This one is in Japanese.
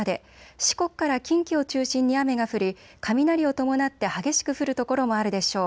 四国から近畿を中心に雨が降り雷を伴って激しく降る所もあるでしょう。